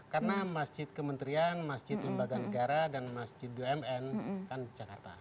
karena masjid kementerian masjid lembaga negara dan masjid bumn di jakarta